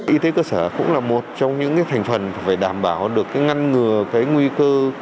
y tế cơ sở cũng là một trong những thành phần phải đảm bảo được ngăn ngừa cái nguy cơ